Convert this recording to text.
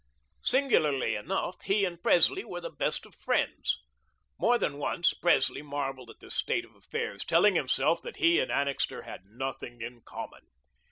Singularly enough, he and Presley were the best of friends. More than once, Presley marvelled at this state of affairs, telling himself that he and Annixter had nothing in common.